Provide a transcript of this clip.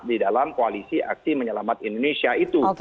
di dalam koalisi aksi menyelamatkan indonesia itu